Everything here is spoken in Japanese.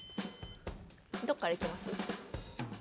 どっからいきます？